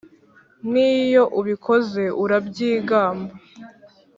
n’iyo ubikoze urabyigamba